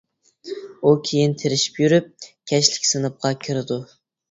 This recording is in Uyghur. ئۇ كېيىن تىرىشىپ يۈرۈپ، كەچلىك سىنىپقا كىرىدۇ.